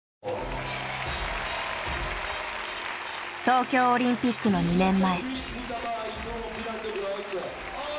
東京オリンピックの２年前。